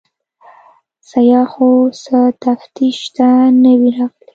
سیاح خو څه تفتیش ته نه وي راغلی.